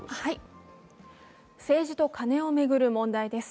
政治とカネを巡る問題です。